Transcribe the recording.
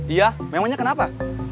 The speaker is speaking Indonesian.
iya memangnya kenapa